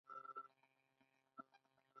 ځواب ورکول څه مهارت غواړي؟